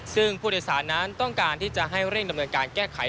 ซึ่งผู้โดยสารนั้นต้องการที่จะให้เร่งดำเนินการแก้ไข